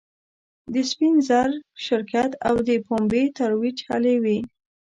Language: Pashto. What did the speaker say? د سپین زر شرکت او د پومبې ترویج هلې وې.